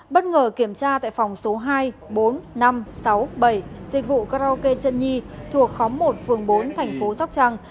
bất ngờ kiểm tra tại phòng số hai bốn năm sáu bảy dịch vụ karaoke trân nhi thuộc khóm một phường bốn tp sóc trăng